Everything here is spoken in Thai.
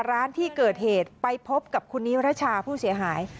ร้านที่เกิดเหตุไปพบกับคุณนิรชาผู้เสียหาย